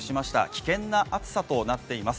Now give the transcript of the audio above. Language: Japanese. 危険な暑さとなっています。